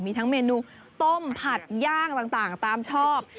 มีทั้งเมนูต้มผัดย่างต่างตามชอบ